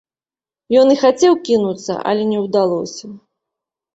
Ён і хацеў кінуцца, але не ўдалося.